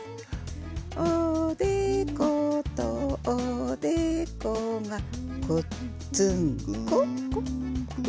おでことおでこがごっつんこ。